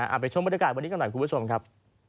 ไปชมบรรยากาศวันนี้กันหน่อยคุณผู้ชมครับ